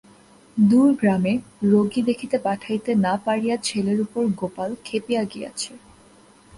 দূর গ্রামে রোগী দেখিতে পাঠাইতে না পারিয়া ছেলের উপর গোপাল খেপিয়া গিয়াছে।